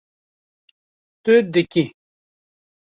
Tu dikî